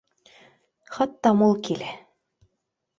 Хатта мул килә